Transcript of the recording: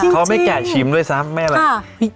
เขาไม่แกะชิมด้วยซ้ำไม่อะไร